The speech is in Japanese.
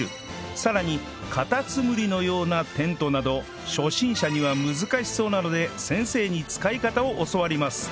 更にカタツムリのようなテントなど初心者には難しそうなので先生に使い方を教わります